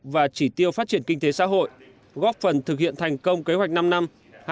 và chỉ tiêu phát triển kinh tế xã hội góp phần thực hiện thành công kế hoạch năm năm hai nghìn một mươi sáu hai nghìn hai mươi